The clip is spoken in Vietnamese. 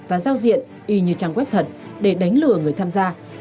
và giao diện y như trang web thật để đánh lừa người tham gia